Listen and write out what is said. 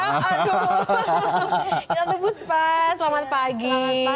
tante puspa selamat pagi